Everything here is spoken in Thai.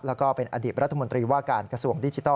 แล้วก็เป็นอดีตรัฐมนตรีว่าการกระทรวงดิจิทัล